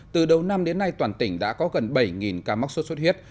từ đầu năm đến nay toàn tỉnh đã có gần bảy ca mắc sốt xuất huyết